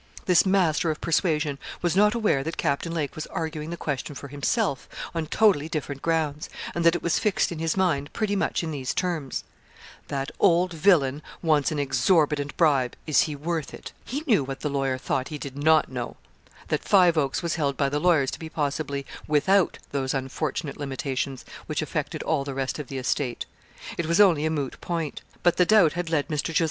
This master of persuasion was not aware that Captain Lake was arguing the question for himself, on totally different grounds, and that it was fixed in his mind pretty much in these terms: 'That old villain wants an exorbitant bribe is he worth it?' He knew what the lawyer thought he did not know that Five Oaks was held by the lawyers to be possibly without those unfortunate limitations which affected all the rest of the estate. It was only a moot point; but the doubt had led Mr. Jos.